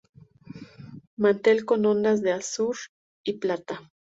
Mantel con ondas de azur y plata.